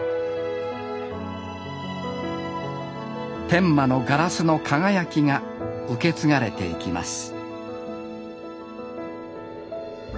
天満のガラスの輝きが受け継がれていきます